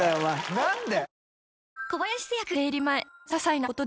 何で？